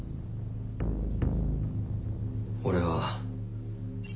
俺は。